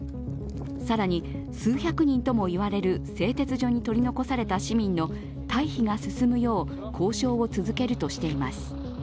更に数百人ともいわれる製鉄所に取り残された市民の退避が進むよう交渉を続けるとしています。